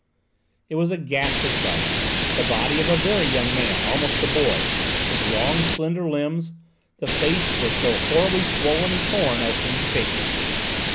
It was a ghastly sight: the body of a very young man, almost a boy, with long, slender limbs; the face was so horribly swollen and torn as to be shapeless.